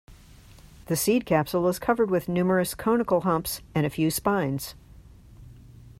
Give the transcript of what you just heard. The seed capsule is covered with numerous conical humps and a few spines.